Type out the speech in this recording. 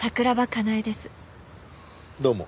どうも。